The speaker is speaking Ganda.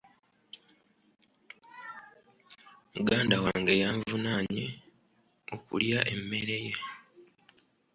Muganda wange yanvunaaanye okulya emmere ye.